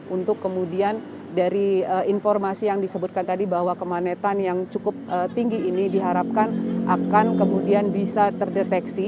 untuk kemudian dari informasi yang disebutkan tadi bahwa kemanetan yang cukup tinggi ini diharapkan akan kemudian bisa terdeteksi